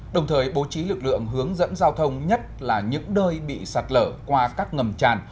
đồng thời bố trí lực lượng hướng dẫn giao thông nhất là những nơi bị sạt lở qua các ngầm tràn